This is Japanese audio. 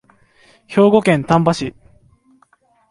兵庫県丹波市